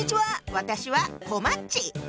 私はこまっち。